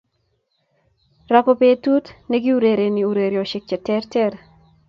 ra ko petur nekiurereni ureriosiek cheterter